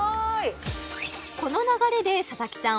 この流れで佐々木さん